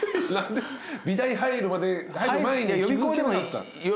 美大入るまで入る前には気付けなかった？